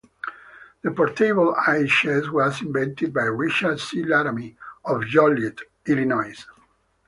The portable ice chest was invented by Richard C. Laramy of Joliet, Illinois.